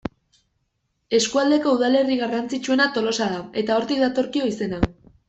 Eskualdeko udalerri garrantzitsuena Tolosa da, eta hortik datorkio izena.